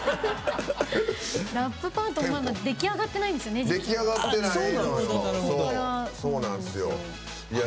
ラップパート出来上がってないんですよね実は。